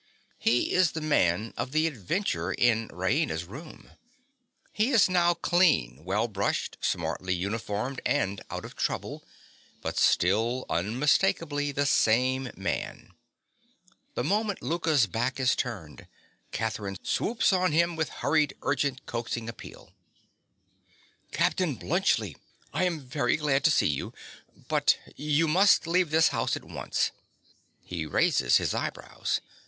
He is the man of the adventure in Raina's room. He is now clean, well brushed, smartly uniformed, and out of trouble, but still unmistakably the same man. The moment Louka's back is turned, Catherine swoops on him with hurried, urgent, coaxing appeal._) Captain Bluntschli, I am very glad to see you; but you must leave this house at once. (_He raises his eyebrows.